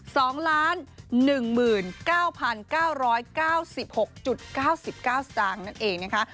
๒๑๙๙๙๖๙๙สตางค์นั่นเองนะครับ